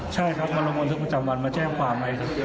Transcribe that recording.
ใช่ครับมาโรงพยาบาลทุกประจำวันมาแจ้งความให้